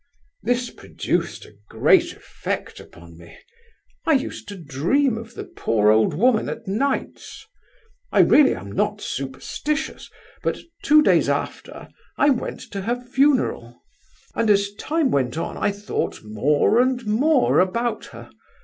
"This produced a great effect upon me. I used to dream of the poor old woman at nights. I really am not superstitious, but two days after, I went to her funeral, and as time went on I thought more and more about her.